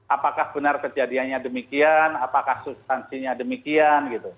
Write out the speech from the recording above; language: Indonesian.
apakah benar kejadiannya demikian apakah substansinya demikian